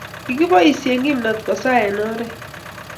kikiboisyi kimnate kosaa eng' oret.